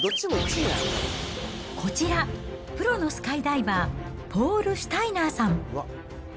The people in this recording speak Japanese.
こちら、プロのスカイダイバー、ポール・シュタイナーさん。